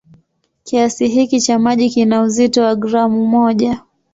Kiasi hiki cha maji kina uzito wa gramu moja.